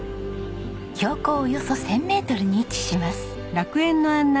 標高およそ１０００メートルに位置します。